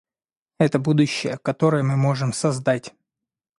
Это будущее, которое мы можем создать.